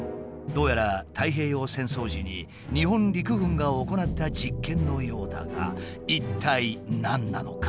どうやら太平洋戦争時に日本陸軍が行った実験のようだが一体何なのか？